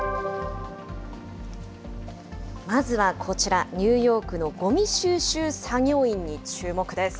まずはこちら、ニューヨークのごみ収集作業員に注目です。